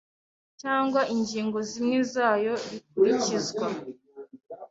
cyangwa ingingo zimwe zayo bikurikizwa